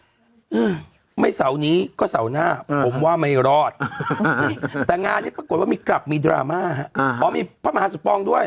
อืมไม่เสานี้ก็เสาร์หน้าผมว่าไม่รอดนี่แต่งานนี้ปรากฏว่ามีกลับมีดราม่าฮะอ่าอ๋อมีพระมหาสมปองด้วย